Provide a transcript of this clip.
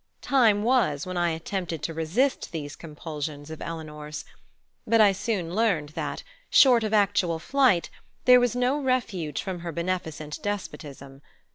Time was when I attempted to resist these compulsions of Eleanor's; but I soon learned that, short of actual flight, there was no refuge from her beneficent despotism.